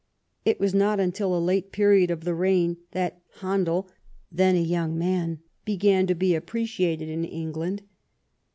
It was not until a late period of the reign that Handel, then a young man, began to be appreciated in England.